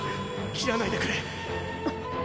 切らないでくれ！！